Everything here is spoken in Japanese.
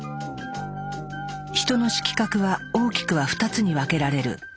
ヒトの色覚は大きくは２つに分けられる。